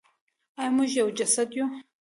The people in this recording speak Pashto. آیا موږ یو جسد یو؟